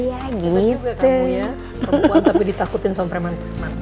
itu juga kamu ya perempuan tapi ditakutin sama preman